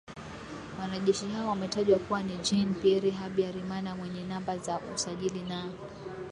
Wanajeshi hao wametajwa kuwa ni Jean Pierre Habyarimana mwenye namba za usajili na